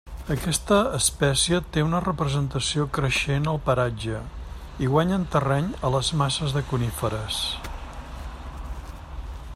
Aquesta espècie té una representació creixent al paratge, i guanyen terreny a les masses de coníferes.